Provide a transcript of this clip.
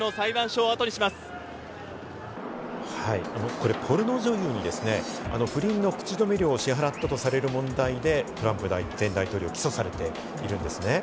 これポルノ女優にですね、不倫の口止め料を支払ったとされる問題でトランプ前大統領、起訴されているんですね。